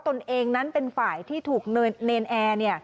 ตนเองนั้นเป็นฝ่ายที่ถูกเนรนแอร์